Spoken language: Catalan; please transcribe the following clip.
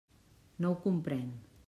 No ho comprenc.